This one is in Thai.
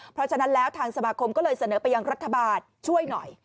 เพราะฉะนั้นแล้วทางสมาคมก็เลยเสนอไปยังรัฐบาลช่วยหน่อย